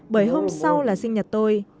bởi hôm sau là sinh nhật tôi